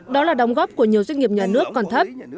đó là đóng góp của nhiều doanh nghiệp nhà nước còn thấp